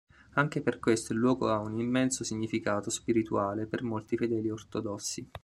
Anche per questo, il luogo ha un immenso significato spirituale per molti fedeli ortodossi.